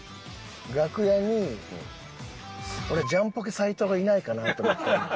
俺ジャンポケ斉藤がいないかなと思ってんねん。